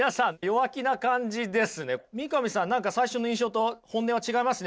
三上さん何か最初の印象と本音は違いますね